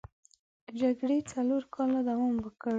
جګړې څلور کاله دوام وکړ.